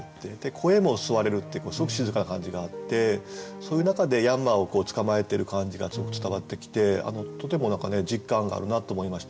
声も吸われるっていうすごく静かな感じがあってそういう中でヤンマを捕まえてる感じがすごく伝わってきてとても実感があるなと思いました。